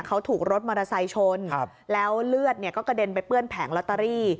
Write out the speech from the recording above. เขาถูกรถมอเตอร์ไซค์ชนแล้วเลือดเนี่ยก็กระเด็นไปเปื้อนแผงลอตเตอรี่